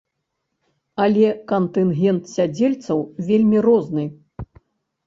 Але кантынгент сядзельцаў вельмі розны.